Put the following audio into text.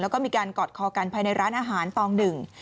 แล้วก็มีการกอดคอกันภายในร้านอาหารตองหนึ่ง